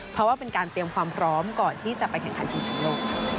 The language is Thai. เพราะว่าเป็นการเตรียมความพร้อมก่อนที่จะไปแข่งขันชิงแชมป์โลก